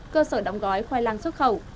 cơ sở đóng gói khoai lang xuất khẩu